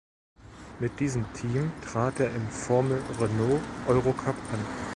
Mit diesem Team trat er im Formel Renault Eurocup an.